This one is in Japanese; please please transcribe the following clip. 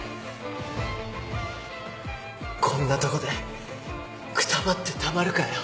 こんなとこでくたばってたまるかよ。